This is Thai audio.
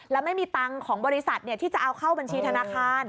แล้วไม่มีตังค์ของบริษัทที่จะเอาเข้าบัญชีธนาคาร